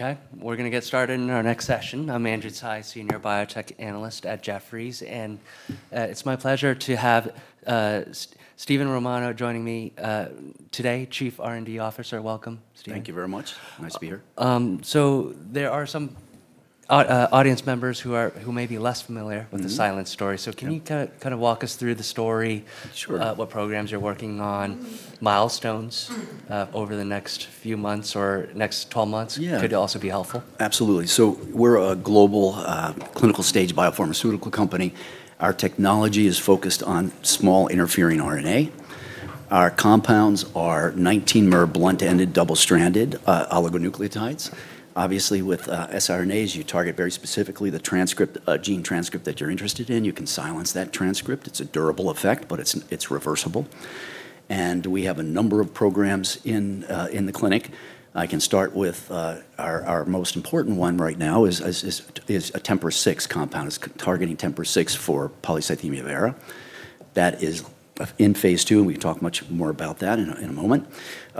We're going to get started in our next session. I'm Andrew Tsai, senior biotech analyst at Jefferies, it's my pleasure to have Steven Romano joining me today, Chief R&D Officer. Welcome, Steven. Thank you very much. Nice to be here. There are some audience members who may be less familiar with the Silence story. Yeah. Can you walk us through the story? Sure. What programs you're working on, milestones over the next few months or next 12 months could also be helpful. Absolutely. We're a global clinical stage biopharmaceutical company. Our technology is focused on small interfering RNA. Our compounds are 19-mer blunt-ended, double-stranded oligonucleotides. Obviously with siRNAs, you target very specifically the gene transcript that you're interested in. You can silence that transcript. It's a durable effect, but it's reversible. We have a number of programs in the clinic. I can start with our most important one right now is a TMPRSS6 compound. It's targeting TMPRSS6 for polycythemia vera. That is in phase II, and we can talk much more about that in a moment.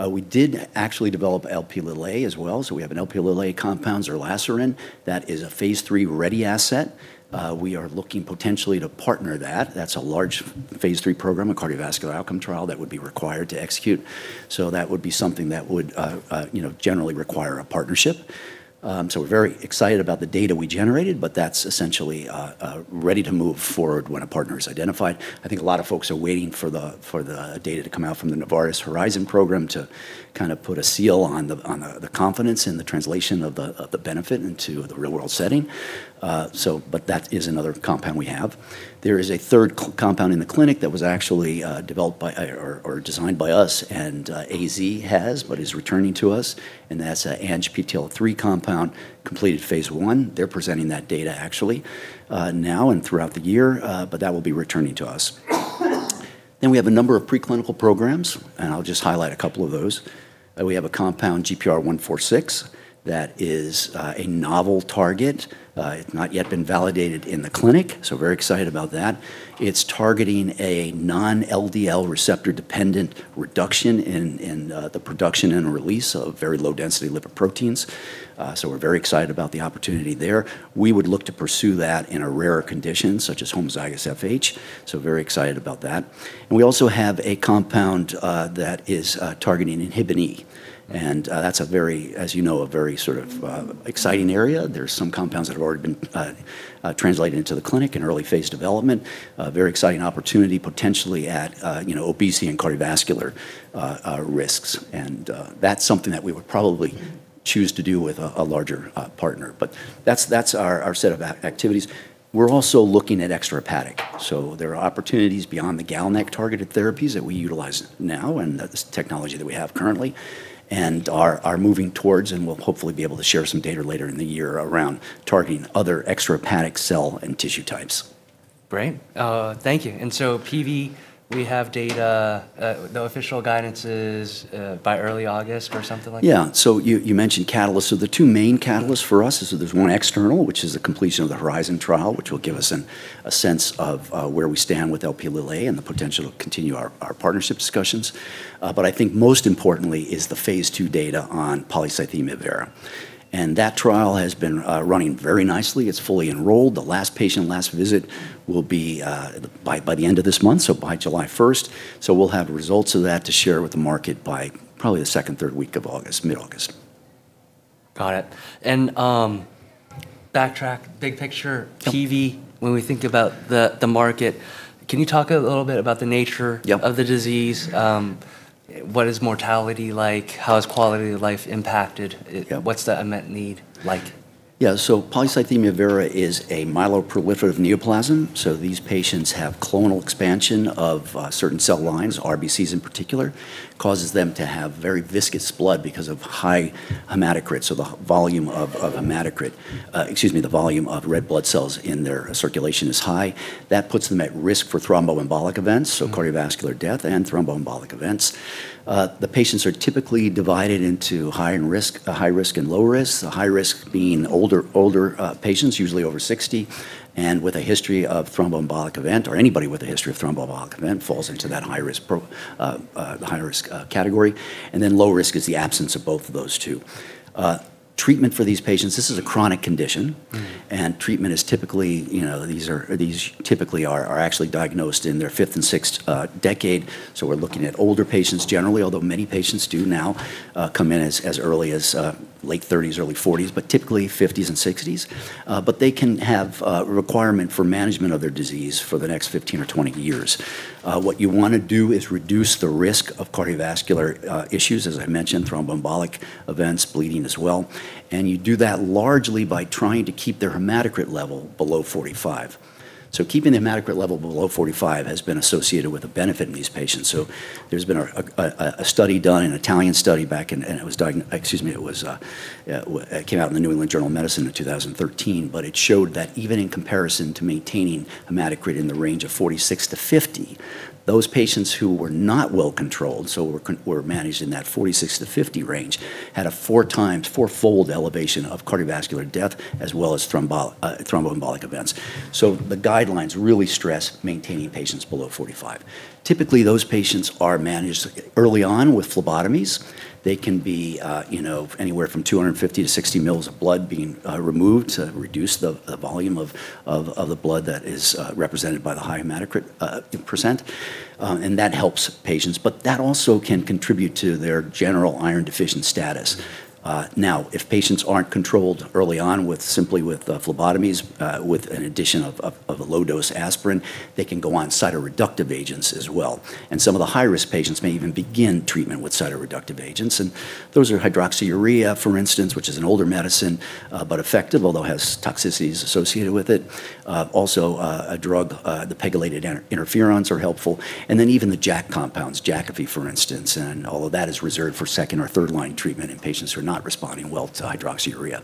We did actually develop Lp(a) as well. We have an Lp(a) compound, zerlasiran, that is a phase III-ready asset. We are looking potentially to partner that. That's a large phase III program, a cardiovascular outcome trial that would be required to execute. That would be something that would generally require a partnership. We're very excited about the data we generated, but that's essentially ready to move forward when a partner is identified. I think a lot of folks are waiting for the data to come out from the Novartis HORIZON program to put a seal on the confidence and the translation of the benefit into the real-world setting. That is another compound we have. There is a third compound in the clinic that was actually developed by, or designed by us and AstraZeneca has, but is returning to us, and that's a ANGPTL3 compound, completed phase I. They're presenting that data actually now and throughout the year, but that will be returning to us. We have a number of preclinical programs, and I'll just highlight a couple of those. We have a compound, GPR146, that is a novel target. It's not yet been validated in the clinic, so very excited about that. It's targeting a non-LDL receptor-dependent reduction in the production and release of very low-density lipoproteins. We're very excited about the opportunity there. We would look to pursue that in a rarer condition, such as homozygous FH, so very excited about that. We also have a compound that is targeting activin E, and that's a very, as you know, a very exciting area. There's some compounds that have already been translated into the clinic in early phase development. It's a very exciting opportunity, potentially at obesity and cardiovascular risks. That's something that we would probably choose to do with a larger partner. That's our set of activities. We're also looking at extrahepatic. There are opportunities beyond the GalNAc targeted therapies that we utilize now and the technology that we have currently, and are moving towards and will hopefully be able to share some data later in the year around targeting other extrahepatic cell and tissue types. Great. Thank you. PV, we have data no official guidances by early August or something like that? Yeah. You mentioned catalysts. The two main catalysts for us is there's one external, which is the completion of the HORIZON trial, which will give us a sense of where we stand with Lp(a) and the potential to continue our partnership discussions. I think most importantly is the phase II data on polycythemia vera. That trial has been running very nicely. It's fully enrolled. The last patient, last visit will be by the end of this month, so by July 1st. We'll have results of that to share with the market by probably the second, third week of August, mid-August. Got it. backtrack, big picture. Yep PV, when we think about the market, can you talk a little bit about the nature? Yep of the disease? What is mortality like? How is quality of life impacted? Yeah. What's the unmet need like? Yeah. Polycythemia vera is a myeloproliferative neoplasm, so these patients have clonal expansion of certain cell lines, RBCs in particular. Causes them to have very viscous blood because of high hematocrit, so the volume of red blood cells in their circulation is high. That puts them at risk for thromboembolic events, so cardiovascular death and thromboembolic events. The patients are typically divided into high risk and low risk, the high risk being older patients, usually over 60, and with a history of thromboembolic event, or anybody with a history of thromboembolic event falls into that high-risk category. Low risk is the absence of both of those two. Treatment for these patients. This is a chronic condition. These typically are actually diagnosed in their fifth and sixth decade, so we're looking at older patients generally, although many patients do now come in as early as late 30s, early 40s, but typically 50s and 60s. They can have a requirement for management of their disease for the next 15 or 20 years. What you want to do is reduce the risk of cardiovascular issues, as I mentioned, thromboembolic events, bleeding as well. You do that largely by trying to keep their hematocrit level below 45. Keeping the hematocrit level below 45 has been associated with a benefit in these patients. There's been a study done, an Italian study back in It came out in the New England Journal of Medicine in 2013. It showed that even in comparison to maintaining hematocrit in the range of 46-50, those patients who were not well-controlled, so were managed in that 46-50 range, had a fourfold elevation of cardiovascular death, as well as thromboembolic events. The guidelines really stress maintaining patients below 45. Typically, those patients are managed early on with phlebotomies. They can be anywhere from 250 mL to 60 mL of blood being removed to reduce the volume of the blood that is represented by the high hematocrit percent. That helps patients, but that also can contribute to their general iron deficient status. If patients aren't controlled early on simply with phlebotomies, with an addition of a low-dose aspirin, they can go on cytoreductive agents as well. Some of the high-risk patients may even begin treatment with cytoreductive agents. Those are hydroxyurea, for instance, which is an older medicine, but effective, although has toxicities associated with it. Also a drug, the pegylated interferons are helpful. Even the JAK compounds, Jakafi, for instance. All of that is reserved for second or third line treatment in patients who are not responding well to hydroxyurea.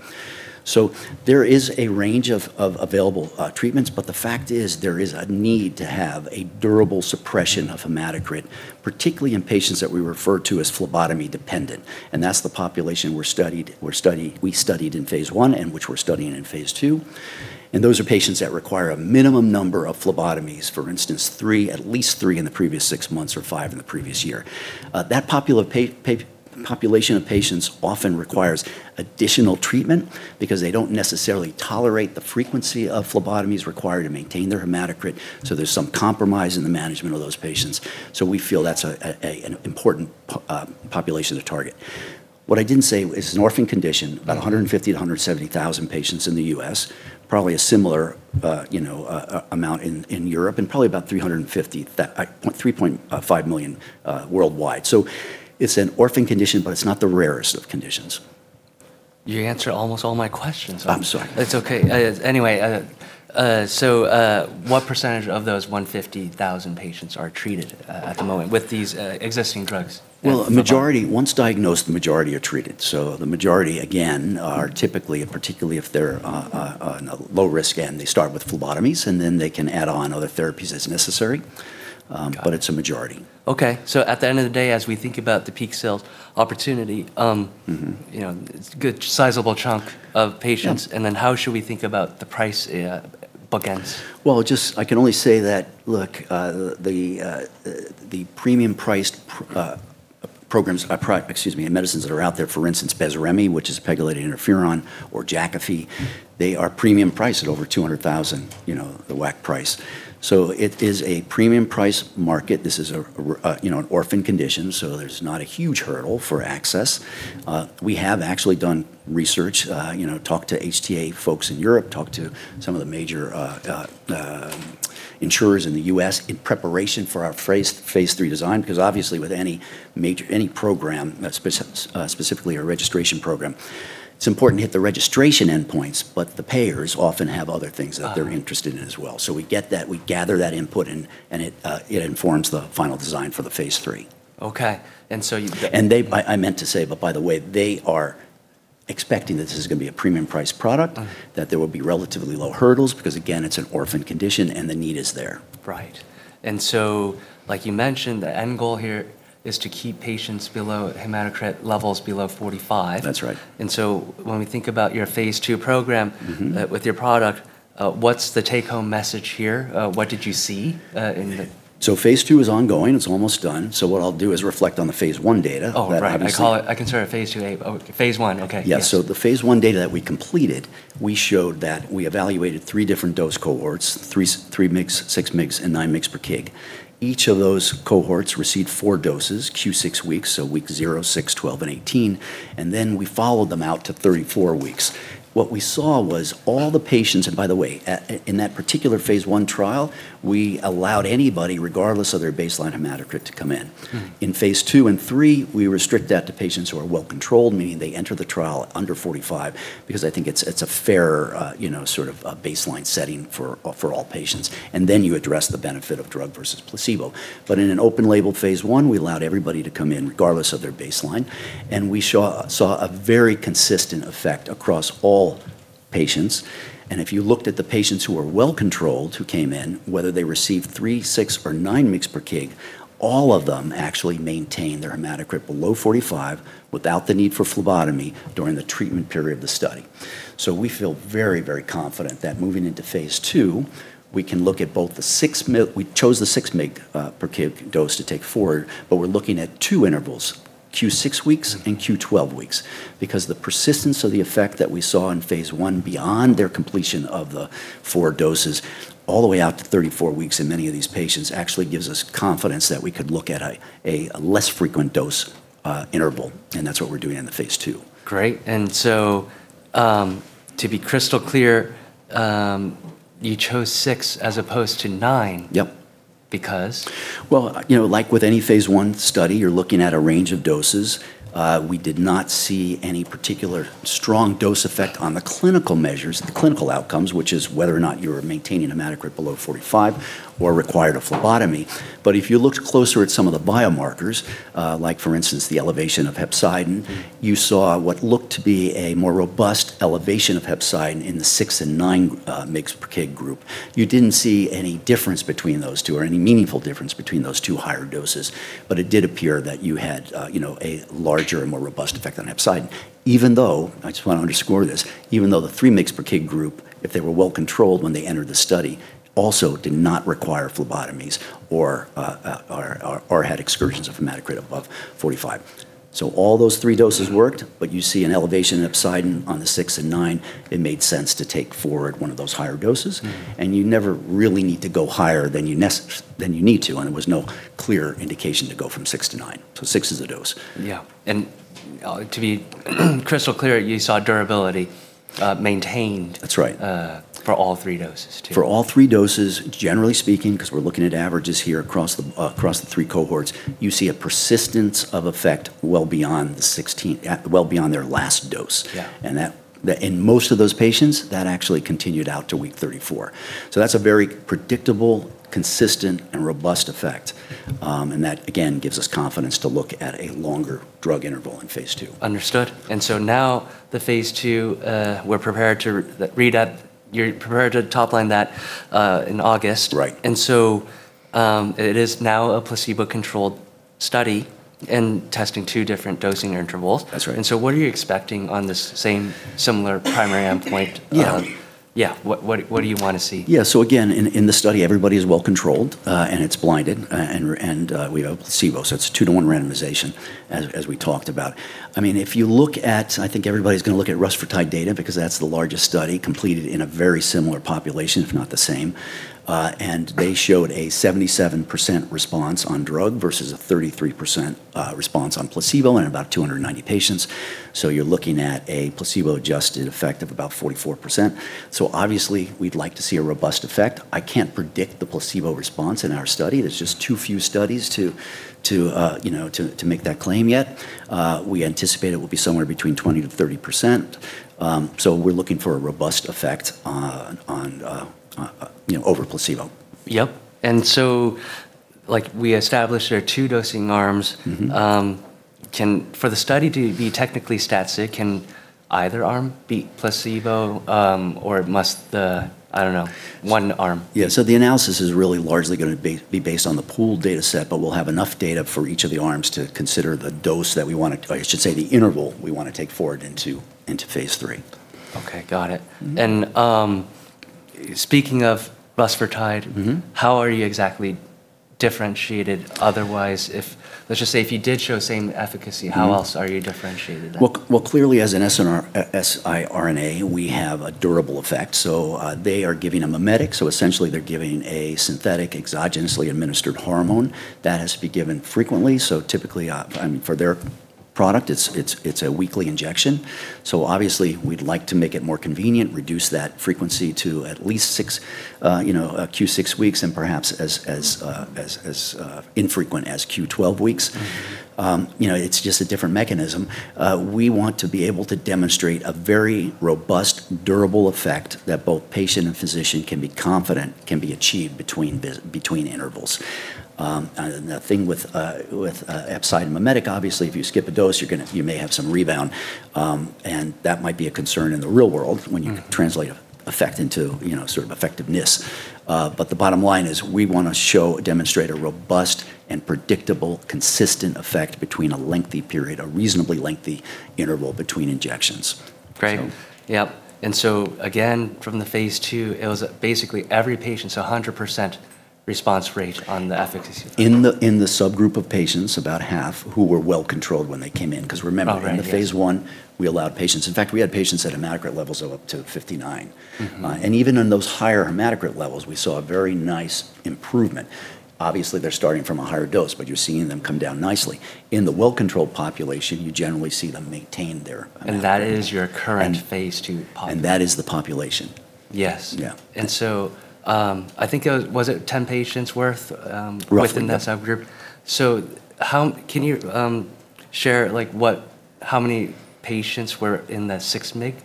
There is a range of available treatments, but the fact is there is a need to have a durable suppression of hematocrit, particularly in patients that we refer to as phlebotomy dependent, and that's the population we studied in phase I and which we're studying in phase II. Those are patients that require a minimum number of phlebotomies, for instance, three, at least three in the previous six months or five in the previous year. That population of patients often requires additional treatment because they don't necessarily tolerate the frequency of phlebotomies required to maintain their hematocrit. There's some compromise in the management of those patients. We feel that's an important population to target. What I didn't say is it's an orphan condition, about 150,000-170,000 patients in the U.S., probably a similar amount in Europe, and probably about 3.5 million worldwide. It's an orphan condition, but it's not the rarest of conditions. You answered almost all my questions. I'm sorry. That's okay. Anyway, what percentage of those 150,000 patients are treated at the moment with these existing drugs? Once diagnosed, the majority are treated. The majority, again, are typically, particularly if they're on a low risk and they start with phlebotomies, and then they can add on other therapies as necessary. Got it. It's a majority. Okay. At the end of the day, as we think about the peak sales opportunity- It's a good sizable chunk of patients. Yeah. How should we think about the price bookends? Well, I can only say that, look, the premium priced medicines that are out there, for instance, BESREMi, which is pegylated interferon, or Jakafi, they are premium priced at over $200,000, the WAC price. It is a premium price market. This is an orphan condition, so there's not a huge hurdle for access. We have actually done research, talked to HTA folks in Europe, talked to some of the major insurers in the U.S. in preparation for our Phase III design, because obviously with any program, specifically a registration program, it's important to hit the registration endpoints, but the payers often have other things that they're interested in as well. We gather that input and it informs the final design for the Phase III. Okay. I meant to say, but by the way, they are expecting that this is going to be a premium priced product. Okay. There will be relatively low hurdles, because again, it's an orphan condition and the need is there. Right. Like you mentioned, the end goal here is to keep patients' hematocrit levels below 45. That's right. When we think about your phase II program. With your product, what's the take home message here? What did you see in the. Phase II is ongoing. It's almost done. What I'll do is reflect on the phase I data. Oh, right. I consider it phase II. Oh, phase I. Okay. Yeah. Yeah. The phase I data that we completed, we showed that we evaluated three different dose cohorts, 3 mg, 6 mgs, and 9 mg/kg. Each of those cohorts received four doses Q six weeks, so week zero, six, 12, and 18. We followed them out to 34 weeks. What we saw was all the patients, and by the way, in that particular phase I trial, we allowed anybody, regardless of their baseline hematocrit, to come in. In phase II and III, we restrict that to patients who are well-controlled, meaning they enter the trial under 45, because I think it's a fair baseline setting for all patients, and then you address the benefit of drug versus placebo. In an open label phase I, we allowed everybody to come in regardless of their baseline, and we saw a very consistent effect across all patients. If you looked at the patients who were well-controlled who came in, whether they received 3 mg, 6 mg, or 9 mg/kg, all of them actually maintained their hematocrit below 45 without the need for phlebotomy during the treatment period of the study. We feel very confident that moving into phase II, we chose the 6 mg/kg dose to take forward, but we're looking at two intervals, Q six weeks and Q 12 weeks. The persistence of the effect that we saw in phase I beyond their completion of the four doses all the way out to 34 weeks in many of these patients actually gives us confidence that we could look at a less frequent dose interval, and that's what we're doing in the phase II. Great. To be crystal clear, you chose 6 mg as opposed to 9 mg- Yep because? Well, like with any phase I study, you're looking at a range of doses. We did not see any particular strong dose effect on the clinical measures, the clinical outcomes, which is whether or not you're maintaining hematocrit below 45 or required a phlebotomy. If you looked closer at some of the biomarkers, like for instance the elevation of hepcidin, you saw what looked to be a more robust elevation of hepcidin in the 6 mg and 9 mg/kg group. You didn't see any difference between those two or any meaningful difference between those two higher doses, but it did appear that you had a larger and more robust effect on hepcidin. Even though, I just want to underscore this, even though the 3 mg/kg group, if they were well-controlled when they entered the study, also did not require phlebotomies or had excursions of hematocrit above 45. All those three doses worked, but you see an elevation in hepcidin on the 6 mg and 9 mg. It made sense to take forward one of those higher doses. You never really need to go higher than you need to, and there was no clear indication to go from 6 mg to 9 mg. Six is the dose. Yeah. To be crystal clear, you saw durability maintained. That's right. for all three doses too? For all three doses, generally speaking, because we're looking at averages here across the three cohorts, you see a persistence of effect well beyond their last dose. Yeah. In most of those patients, that actually continued out to week 34. That's a very predictable, consistent, and robust effect. That again gives us confidence to look at a longer drug interval in phase II. Understood. Now the phase II, you're prepared to top line that in August. Right. It is now a placebo-controlled study and testing two different dosing intervals. That's right. What are you expecting on this same similar primary endpoint? Yeah. Yeah. What do you want to see? Again, in the study, everybody is well controlled, and it's blinded, and we have placebo, so it's a two-to-one randomization, as we talked about. If you look at, I think everybody's going to look at rusfertide data because that's the largest study completed in a very similar population, if not the same. They showed a 77% response on drug versus a 33% response on placebo in about 290 patients. You're looking at a placebo-adjusted effect of about 44%. Obviously, we'd like to see a robust effect. I can't predict the placebo response in our study. There's just too few studies to make that claim yet. We anticipate it will be somewhere between 20%-30%, we're looking for a robust effect over placebo. Yep. Like we established, there are two dosing arms. For the study to be technically stats, can either arm be placebo, or it must, I don't know, one arm? The analysis is really largely going to be based on the pool data set, but we'll have enough data for each of the arms to consider I should say, the interval we want to take forward into phase III. Okay, got it. Speaking of rusfertide, how are you exactly differentiated otherwise if, let's just say, if you did show same efficacy, how else are you differentiated then? Well, clearly as an siRNA, we have a durable effect. They are giving a mimetic, so essentially they're giving a synthetic exogenously administered hormone. That has to be given frequently, so typically for their product, it's a weekly injection. Obviously, we'd like to make it more convenient, reduce that frequency to at least Q six weeks and perhaps as infrequent as Q 12 weeks. It's just a different mechanism. We want to be able to demonstrate a very robust, durable effect that both patient and physician can be confident can be achieved between intervals. The thing with hepcidin mimetic, obviously, if you skip a dose, you may have some rebound, and that might be a concern in the real world when you translate effect into sort of effectiveness. The bottom line is we want to show, demonstrate a robust and predictable, consistent effect between a lengthy period, a reasonably lengthy interval between injections. Great. Yep. Again, from the phase II, it was basically every patient, so 100% response rate on the efficacy. In the subgroup of patients, about half who were well controlled when they came in because remember. Oh, right, yes. In the phase I, we allowed patients. In fact, we had patients at hematocrit levels of up to 59. Even in those higher hematocrit levels, we saw a very nice improvement. Obviously, they're starting from a higher dose, but you're seeing them come down nicely. In the well-controlled population, you generally see them maintain their hematocrit. That is your current phase II population. That is the population. Yes. Yeah. I think it was it 10 patients worth? Roughly, yeah. within that subgroup? Can you share how many patients were in the 6 mg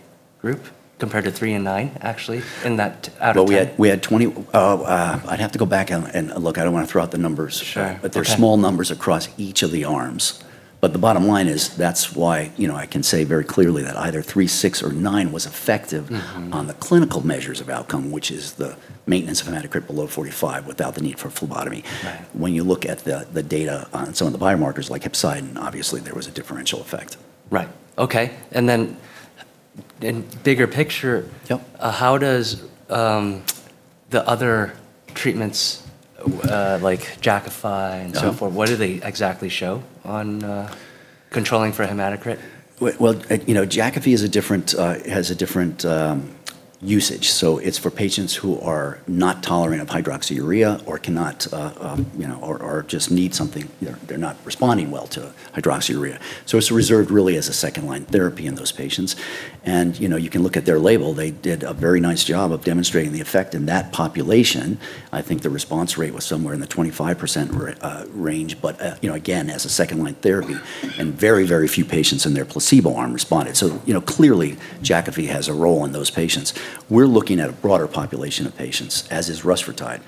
group compared to 3 mg and 9 mg actually in that hematocrit? I'd have to go back and look. I don't want to throw out the numbers. Sure. Okay. They're small numbers across each of the arms. The bottom line is that's why I can say very clearly that either 3 mg, 6 mg, or 9 mg was effective. on the clinical measures of outcome, which is the maintenance of hematocrit below 45 without the need for phlebotomy. Right. When you look at the data on some of the biomarkers like hepcidin, obviously there was a differential effect. Right. Okay. Yep How does the other treatments like Jakafi and so forth, what do they exactly show on controlling for hematocrit? Well, Jakafi has a different usage. It's for patients who are not tolerant of hydroxyurea or just need something, they're not responding well to hydroxyurea. It's reserved really as a second-line therapy in those patients. You can look at their label, they did a very nice job of demonstrating the effect in that population. I think the response rate was somewhere in the 25% range, again, as a second-line therapy, very, very few patients in their placebo arm responded. Clearly, Jakafi has a role in those patients. We're looking at a broader population of patients, as is rusfertide.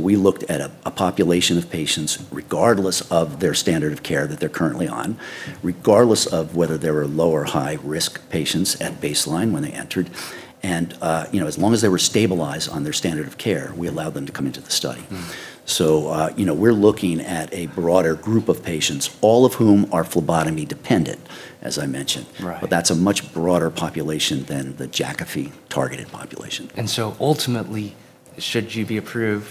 We looked at a population of patients, regardless of their standard of care that they're currently on, regardless of whether they were low or high-risk patients at baseline when they entered. As long as they were stabilized on their standard of care, we allowed them to come into the study. We're looking at a broader group of patients, all of whom are phlebotomy dependent, as I mentioned. Right. That's a much broader population than the Jakafi targeted population. Ultimately, should you be approved.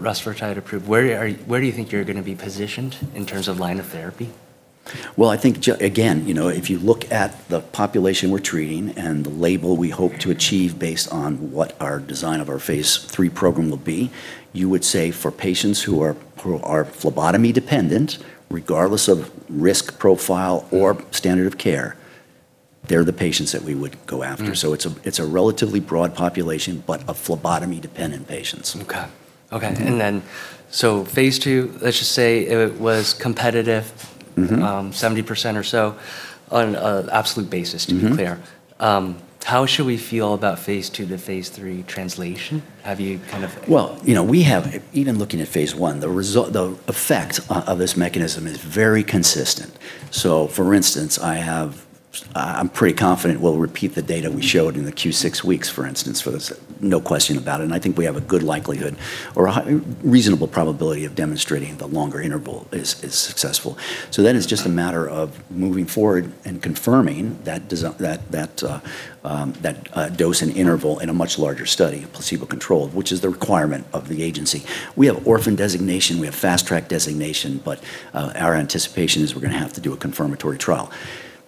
Rusfertide approved, where do you think you're going to be positioned in terms of line of therapy? Well, I think again, if you look at the population we're treating and the label we hope to achieve based on what our design of our phase III program will be, you would say for patients who are phlebotomy dependent, regardless of risk profile or standard of care, they're the patients that we would go after. It's a relatively broad population, but of phlebotomy-dependent patients. Okay. Phase II, let's just say it was competitive 70% or so on an absolute basis to be clear. How should we feel about phase II to phase III translation? Well, even looking at phase I, the effect of this mechanism is very consistent. For instance, I'm pretty confident we'll repeat the data we showed in the Q six weeks, for instance. There's no question about it. I think we have a good likelihood or a reasonable probability of demonstrating the longer interval is successful. Then it's just a matter of moving forward and confirming that dose and interval in a much larger study, placebo controlled, which is the requirement of the agency. We have orphan designation, we have Fast Track designation. Our anticipation is we're going to have to do a confirmatory trial. The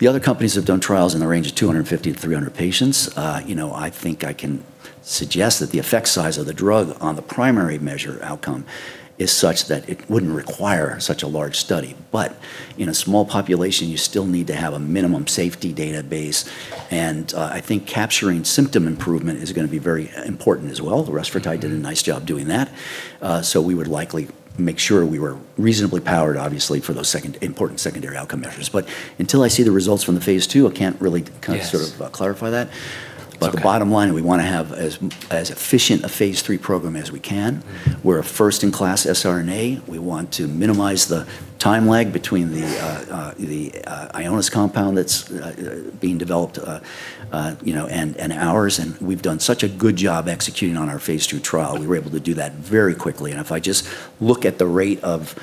other companies have done trials in the range of 250-300 patients. I think I can suggest that the effect size of the drug on the primary measure outcome is such that it wouldn't require such a large study. In a small population, you still need to have a minimum safety database, and I think capturing symptom improvement is going to be very important as well. The rusfertide did a nice job doing that. We would likely make sure we were reasonably powered, obviously, for those important secondary outcome measures. Until I see the results from the phase II, I can't really- Yes sort of clarify that. Okay. The bottom line, we want to have as efficient a phase III program as we can. We're a first in class siRNA. We want to minimize the time lag between the Ionis compound that's being developed and ours. We've done such a good job executing on our phase II trial. We were able to do that very quickly. If I just look at the rate of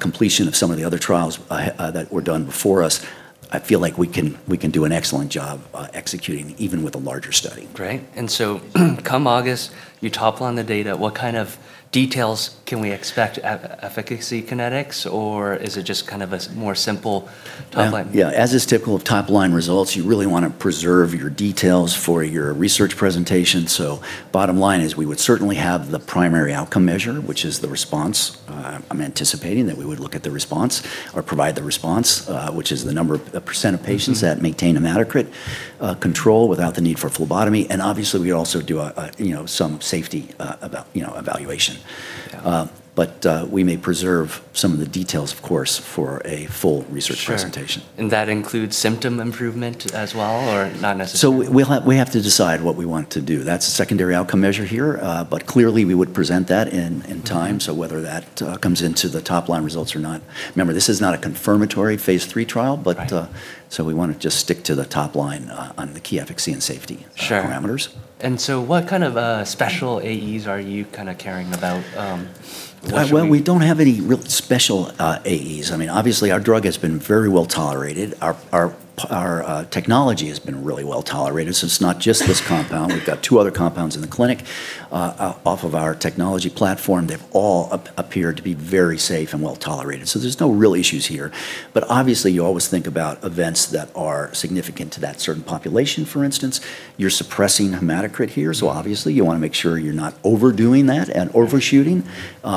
completion of some of the other trials that were done before us, I feel like we can do an excellent job executing, even with a larger study. Great. Come August, you top line the data. What kind of details can we expect? Efficacy kinetics, or is it just kind of a more simple top line? As is typical of top line results, you really want to preserve your details for your research presentation. Bottom line is we would certainly have the primary outcome measure, which is the response. I'm anticipating that we would look at the response or provide the response, which is the percent of patients that maintain an adequate control without the need for phlebotomy. Obviously, we'd also do some safety evaluation. Yeah. We may preserve some of the details, of course, for a full research presentation. Sure. That includes symptom improvement as well or not necessarily? We have to decide what we want to do. That's a secondary outcome measure here. Clearly we would present that in time. Whether that comes into the top line results or not, remember, this is not a confirmatory phase III trial. Right We want to just stick to the top line on the key efficacy and safety parameters. Sure. What kind of special AEs are you kind of caring about? We don't have any real special AEs. Obviously our drug has been very well tolerated. Our technology has been really well tolerated. It's not just this compound. We've got two other compounds in the clinic off of our technology platform. They've all appeared to be very safe and well tolerated. There's no real issues here. Obviously you always think about events that are significant to that certain population, for instance. You're suppressing hematocrit here, obviously you want to make sure you're not overdoing that and overshooting.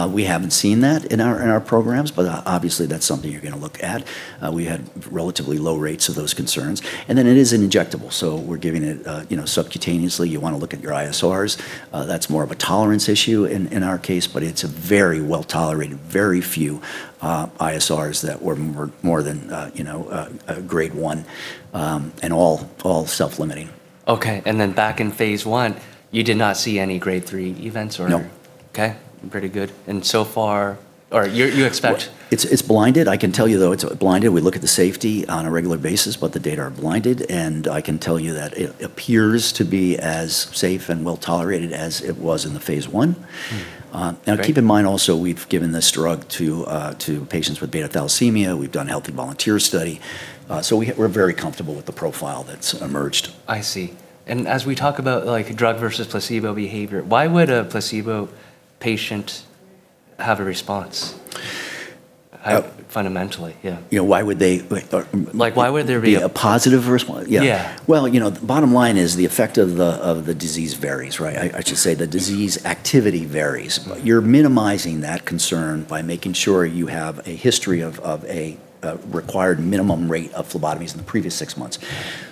We haven't seen that in our programs, obviously that's something you're going to look at. We had relatively low rates of those concerns, it is an injectable, we're giving it subcutaneously. You want to look at your ISRs. That's more of a tolerance issue in our case, but it's a very well tolerated, very few ISRs that were more than a grade one, and all self-limiting. Okay. Back in phase I, you did not see any grade three events? No. Okay. Pretty good. So far, or you expect? It's blinded. I can tell you though, it's blinded. We look at the safety on a regular basis, but the data are blinded, and I can tell you that it appears to be as safe and well tolerated as it was in the phase I. Great. Keep in mind also, we've given this drug to patients with beta thalassemia. We've done healthy volunteer study. We're very comfortable with the profile that's emerged. I see. As we talk about drug versus placebo behavior, why would a placebo patient have a response fundamentally? Yeah. Why would they- Why would there be-? Be a positive response? Yeah. Well, bottom line is the effect of the disease varies, right? I should say the disease activity varies. Right. You're minimizing that concern by making sure you have a history of a required minimum rate of phlebotomies in the previous six months.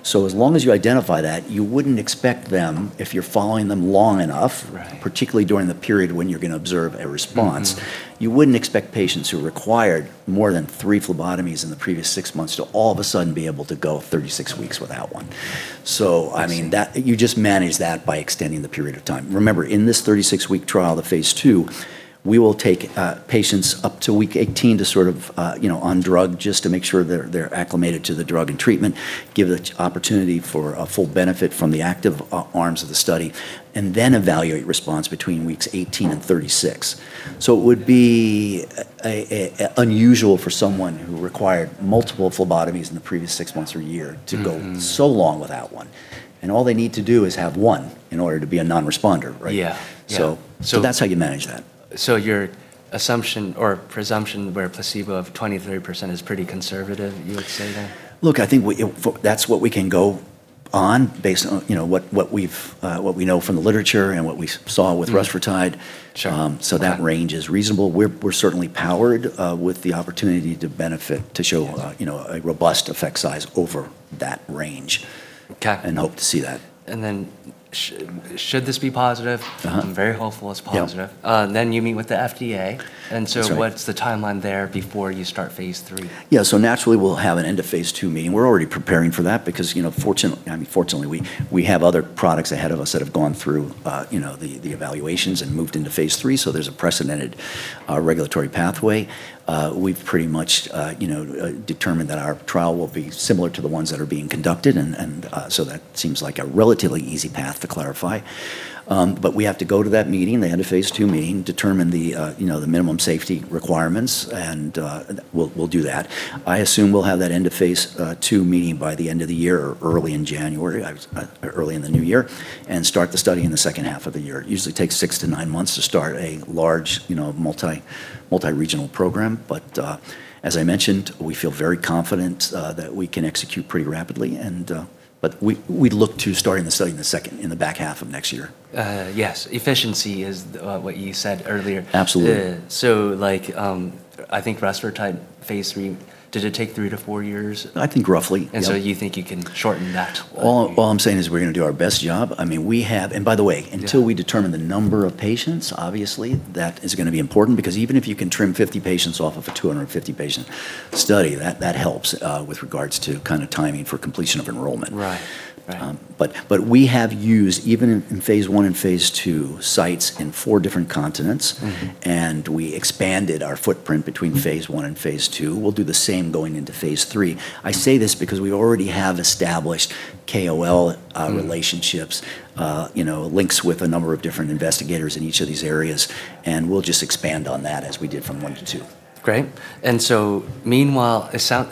As long as you identify that, you wouldn't expect them if you're following them long enough. Right particularly during the period when you're going to observe a response. You wouldn't expect patients who required more than three phlebotomies in the previous six months to all of a sudden be able to go 36 weeks without one. I see. You just manage that by extending the period of time. Remember, in this 36-week trial, the phase II, we will take patients up to week 18 on drug just to make sure they're acclimated to the drug and treatment, give the opportunity for a full benefit from the active arms of the study, and then evaluate response between weeks 18 and 36. It would be unusual for someone who required multiple phlebotomies in the previous six months or a year to go so long without one, and all they need to do is have one in order to be a non-responder, right? Yeah. That's how you manage that. Your assumption or presumption where a placebo of 20%, 30% is pretty conservative, you would say? Look, I think that's what we can go on based on what we know from the literature and what we saw with rusfertide. Sure. Okay. That range is reasonable. We're certainly powered with the opportunity to benefit, to show a robust effect size over that range. Okay Hope to see that. Should this be positive. I'm very hopeful it's positive. Yeah. You meet with the FDA. That's right. What's the timeline there before you start phase III? Yeah. Naturally we'll have an end of phase II meeting. We're already preparing for that because fortunately, we have other products ahead of us that have gone through the evaluations and moved into phase III. There's a precedented regulatory pathway. We've pretty much determined that our trial will be similar to the ones that are being conducted, and so that seems like a relatively easy path to clarify. We have to go to that meeting, the end of phase II meeting, determine the minimum safety requirements, and we'll do that. I assume we'll have that end of phase II meeting by the end of the year or early in January, early in the new year, and start the study in the second half of the year. It usually takes six to nine months to start a large multi-regional program. As I mentioned, we feel very confident that we can execute pretty rapidly. We'd look to starting the study in the back half of next year. Yes. Efficiency is what you said earlier. Absolutely. I think rusfertide type phase III, did it take three to four years? I think roughly, yeah. You think you can shorten that? All I'm saying is we're going to do our best job. By the way, until we determine the number of patients, obviously, that is going to be important because even if you can trim 50 patients off of a 250 patient study, that helps with regards to timing for completion of enrollment. Right. We have used, even in phase I and phase II, sites in four different continents, and we expanded our footprint between phase I and phase II. We'll do the same going into phase III. I say this because we already have established KOL relationships, links with a number of different investigators in each of these areas, and we'll just expand on that as we did from one to two. Great. Meanwhile,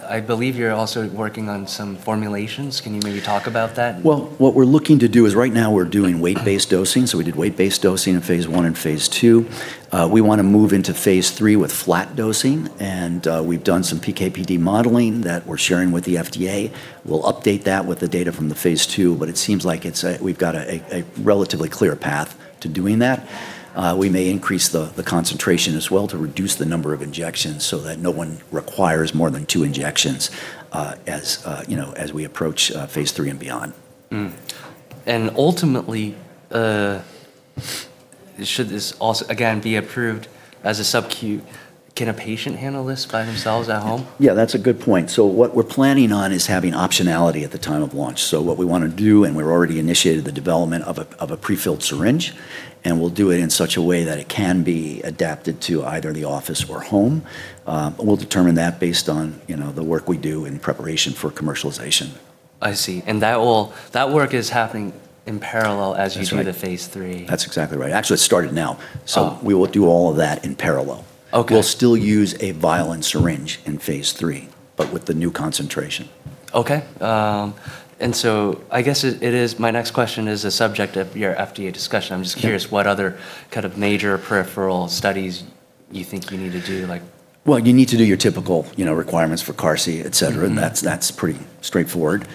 I believe you're also working on some formulations. Can you maybe talk about that? Well, what we're looking to do is right now we're doing weight-based dosing. We did weight-based dosing in phase I and phase II. We want to move into phase III with flat dosing. We've done some PK/PD modeling that we're sharing with the FDA. We'll update that with the data from the phase II, it seems like we've got a relatively clear path to doing that. We may increase the concentration as well to reduce the number of injections so that no one requires more than two injections as we approach phase III and beyond. Ultimately, should this also, again, be approved as a sub-Q, can a patient handle this by themselves at home? Yeah, that's a good point. What we're planning on is having optionality at the time of launch. What we want to do, and we already initiated the development of a prefilled syringe, and we'll do it in such a way that it can be adapted to either the office or home. We'll determine that based on the work we do in preparation for commercialization. I see. That work is happening in parallel as you. That's right. do the phase III. That's exactly right. Actually, it's started now. Oh. We will do all of that in parallel. Okay. We'll still use a vial and syringe in phase III, but with the new concentration. Okay. I guess my next question is a subject of your FDA discussion. I'm just curious what other kind of major peripheral studies you think you need to do. Well, you need to do your typical requirements for carcinogenicity, et cetera. That's pretty straightforward.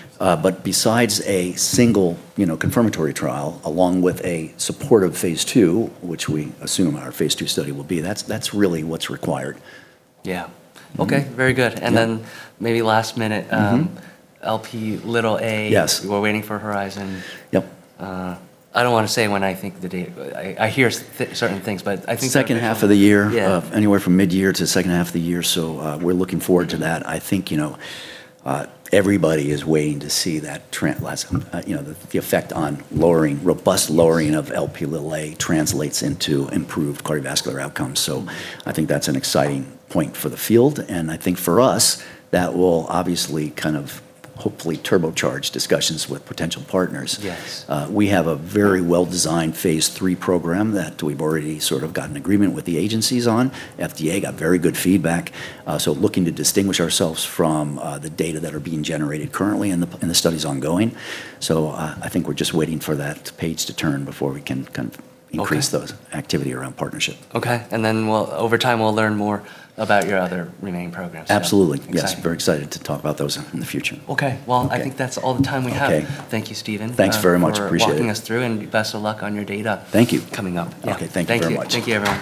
Besides a single confirmatory trial, along with a supportive phase II, which we assume our phase II study will be, that's really what's required. Yeah. Okay. Very good. Yeah. Maybe last minute, Lp(a). Yes We're waiting for Horizon. Yep. I don't want to say when I think the data, but I hear certain things, but I think. Second half of the year. Yeah. Anywhere from midyear to the second half of the year. We're looking forward to that. I think everybody is waiting to see that trend. The effect on robust lowering of Lp(a) translates into improved cardiovascular outcomes, so I think that's an exciting point for the field, and I think for us that will obviously hopefully turbocharge discussions with potential partners. Yes. We have a very well-designed phase III program that we've already sort of got an agreement with the agencies on. FDA got very good feedback. Looking to distinguish ourselves from the data that are being generated currently, and the study's ongoing. I think we're just waiting for that page to turn before we can increase those activity around partnership. Okay. Then, over time we'll learn more about your other remaining programs. Absolutely. Exactly. Yes, very excited to talk about those in the future. Okay. Well, I think that's all the time we have. Okay. Thank you, Steven. Thanks very much. Appreciate it. for walking us through, and best of luck on your data- Thank you. coming up. Yeah. Okay. Thank you very much. Thank you, everyone.